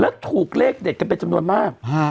แล้วถูกเลขเด็ดกันเป็นจำนวนมาก